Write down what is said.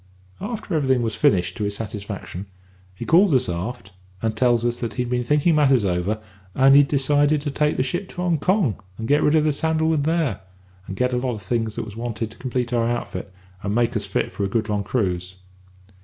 "After everything was finished to his satisfaction, he calls us all aft, and tells us that he'd been thinking matters over, and he'd decided to take the ship to Hong Kong, and get rid of the sandalwood there, and get a lot of things that was wanted to complete our outfit, and make us fit for a good long cruise.